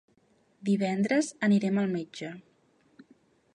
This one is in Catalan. Divendres anirem al metge.